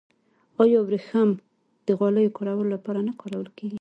آیا وریښم د غالیو لپاره نه کارول کیږي؟